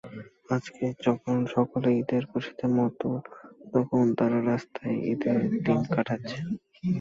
আজকে যখন সকলে ঈদের খুশিতে মত্ত তখন তারা রাস্তায় ঈদের দিন কাটাচ্ছেন।